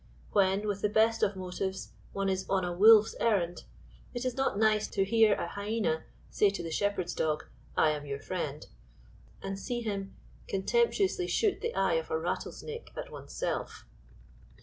When, with the best of motives, one is on a wolf's errand, it is not nice to hear a hyena say to the shepherd's dog, "I am your friend," and see him contemptuously shoot the eye of a rattlesnake at one's self.